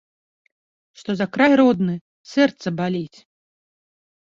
Што за край родны сэрца баліць.